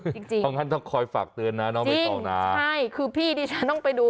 จริงจริงท่องท่านต้องคอยฝากเตือนนะน้องไปต่อนะจริงใช่คือพี่ที่ฉันต้องไปดู